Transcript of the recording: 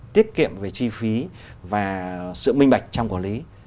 tiết kiệm về chi phí và sự minh bạch trong quản lý